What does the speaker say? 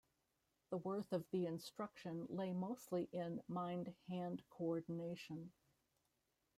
The worth of the instruction lay mostly in mind-hand coordination.